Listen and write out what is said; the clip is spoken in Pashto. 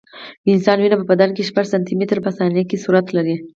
د انسان وینه په بدن کې شپږ سانتي متره په ثانیه سرعت لري.